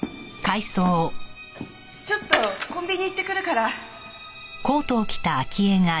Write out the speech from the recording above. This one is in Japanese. ちょっとコンビニ行ってくるから。